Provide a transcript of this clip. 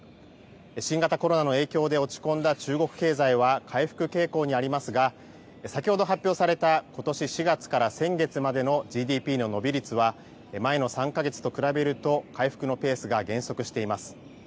新型コロナの影響で落ち込んだ中国経済は回復傾向にありますが先ほど発表されたことし４月から先月までのＧＤＰの伸び率は前の３か月と比べると回復のペースが減速しています。